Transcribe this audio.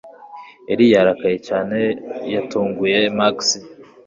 Ellie yarakaye cyane yatunguye Max